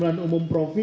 datang dari kpp ready